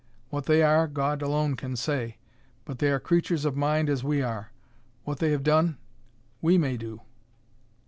What they are God alone can say. But they are creatures of mind as are we; what they have done, we may do.